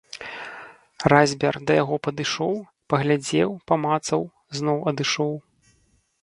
Разьбяр да яго падышоў, паглядзеў, памацаў, зноў адышоў.